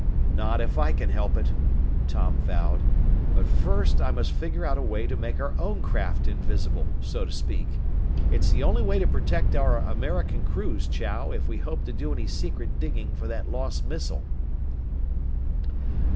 "Not if I can help it," Tom vowed. "But first I must figure out a way to make our own craft invisible, so to speak. It's the only way to protect our American crews, Chow, if we hope to do any secret digging for that lost missile."